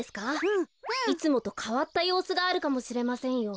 いつもとかわったようすがあるかもしれませんよ。